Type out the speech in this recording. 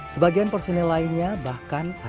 sebagian personil lainnya bahkan ada yang bermain main